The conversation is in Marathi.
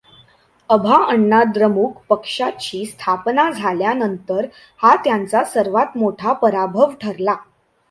अभाअण्णाद्रमुक पक्षाची स्थापना झाल्यानंतर हा त्याचा सर्वात मोठा पराभव ठरला.